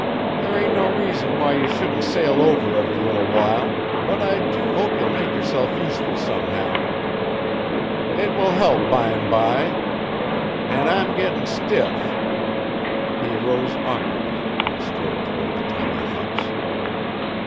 There ain't no reason why ye shouldn't sail over every little while, but I do hope ye'll make yerself useful somehow. It will help bime by. An' I'm gettin' stiff." He arose awkwardly and strode toward the tiny house.